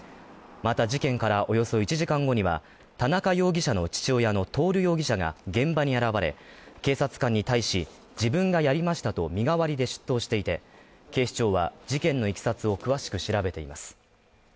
また事件からおよそ１時間後には、田中容疑者の父親の徹容疑者が現場に現れ警察官に対し、自分がやりましたと身代わりで出頭していて、警視庁は事件のいきさつを詳しく調べています。